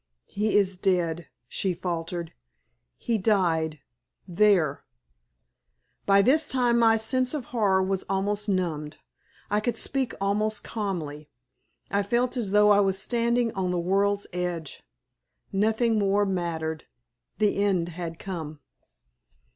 "He is dead," she faltered. "He died there!" By this time my sense of horror was almost numbed. I could speak almost calmly. I felt as though I was standing on the world's edge. Nothing more mattered. The end had come.